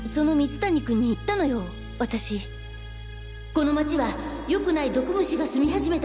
この町はよくない毒虫が住み始めたの。